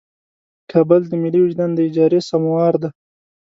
کابل د ملي وجدان د اجارې سموار دی.